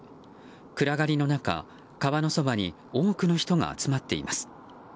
暗がりの中、川のそばに多くの人が集まっています。